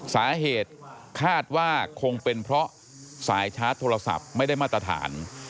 สาเหตุคาดว่าคงเป็นเพราะสายชาร์จโทรศัพท์ไม่ได้มาตรฐาน